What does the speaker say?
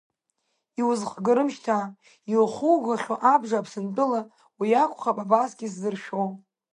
Иузыхгарым шьҭа иухугахьоу абжа, Аԥсынтәыла, уи акәхап абасгьы сзыршәо.